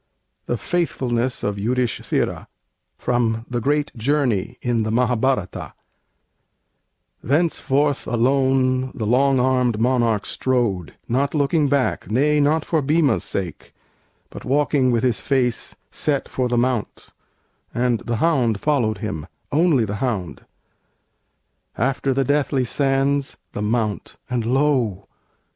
THE FAITHFULNESS OF YUDHISTHIRA From 'The Great Journey,' in the Mahâbhârata Thenceforth alone the long armed monarch strode, Not looking back, nay, not for Bhima's sake, But walking with his face set for the mount; And the hound followed him, only the hound. After the deathly sands, the Mount; and lo!